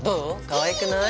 かわいくない？